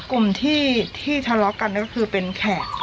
กลุ่มที่ทะเลาะกันก็คือเป็นแขก